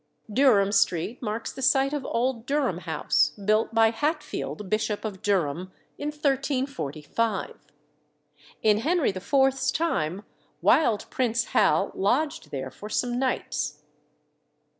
Durham Street marks the site of old Durham House, built by Hatfield, Bishop of Durham, in 1345. In Henry IV.'s time wild Prince Hal lodged there for some nights.